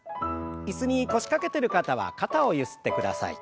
椅子に腰掛けてる方は肩をゆすってください。